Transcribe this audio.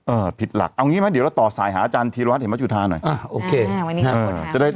เออผิดหลักเอางี้ไหมเดี๋ยวเราต่อสายหาอาจารย์เทียรวรรดิเหมภจุธาหน่อย